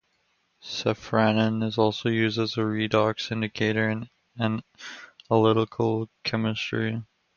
Safranin is also used as redox indicator in analytical chemistry.